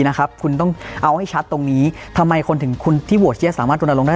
เอาให้ชัดตรงนี้ทำไมคนที่โหวดเชี่ยสามารถโดนอารมณ์ได้